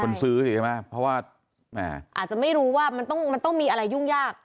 คนซื้อสิใช่ไหมเพราะว่าแม่อาจจะไม่รู้ว่ามันต้องมันต้องมีอะไรยุ่งยาก